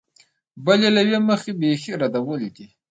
بل یې له یوې مخې بېخي ردول دي.